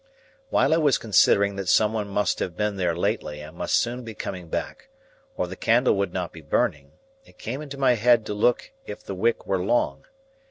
While I was considering that some one must have been there lately and must soon be coming back, or the candle would not be burning, it came into my head to look if the wick were long.